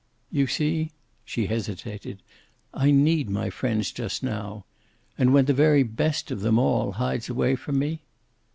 You see" she hesitated "I need my friends just now. And when the very best of them all hides away from me?"